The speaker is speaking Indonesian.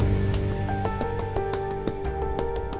gak mungkin aku memilih salah satunya